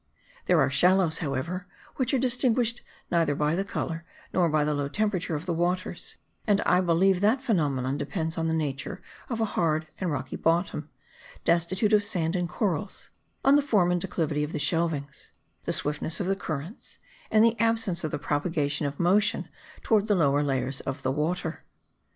There are shallows, however, which are distinguished neither by the colour nor by the low temperature of the waters; and I believe that phenomenon depends on the nature of a hard and rocky bottom, destitute of sand and corals; on the form and declivity of the shelvings; the swiftness of the currents; and the absence of the propagation of motion towards the lower layers of the water.